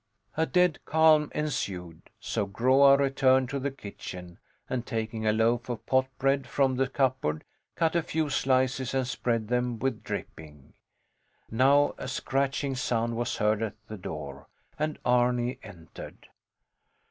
A dead calm ensued. So Groa returned to the kitchen, and taking a loaf of pot bread from the cupboard, cut a few slices and spread them with dripping. Now a scratching sound was heard at the door, and Arni entered.